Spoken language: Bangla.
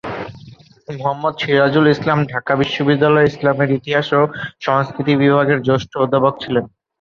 মুহম্মদ সিরাজুল ইসলাম ঢাকা বিশ্ববিদ্যালয়ের ইসলামের ইতিহাস ও সংস্কৃতি বিভাগের জ্যেষ্ঠ অধ্যাপক ছিলেন।